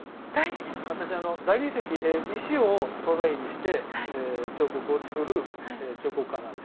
私石を素材にして彫刻を作る彫刻家なんですね。